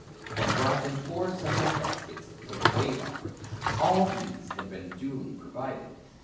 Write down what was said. and brought in four separate baskets for the wave offering, all these had been duly pro vided.